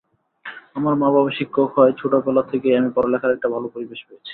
আমার মা–বাবা শিক্ষক হওয়ায় ছোটবেলা থেকেই আমি পড়ালেখার একটা ভালো পরিবেশ পেয়েছি।